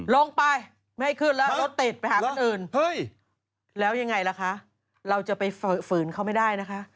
ลงไปไม่ให้ขึ้นแล้วรถติดไปหาคนอื่นเฮ้ยแล้วยังไงล่ะคะเราจะไปฝืนเขาไม่ได้นะคะ